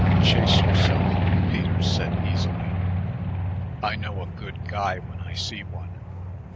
"Chase yourself," Peters said easily. "I know a good guy when I see one.